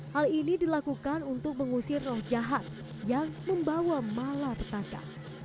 hal ini dilakukan untuk mengusir roh jahat yang membawa malapetaka